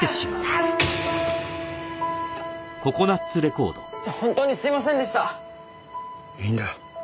いいんだ。